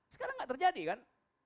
sekarang enggak terjadi kan